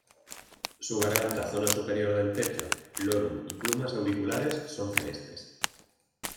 Su garganta zona superior del pecho, lorum y plumas auriculares son celestes.